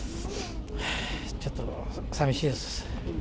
ちょっと寂しいです。